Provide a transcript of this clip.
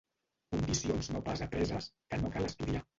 Condicions no pas apreses, que no cal estudiar.